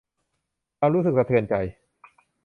ความรู้สึกสะเทือนใจ